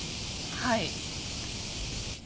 はい。